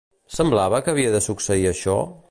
Semblava que havia de succeir això?